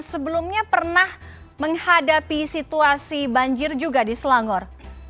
sebelumnya pernah menghadapi situasi banjir juga di selangor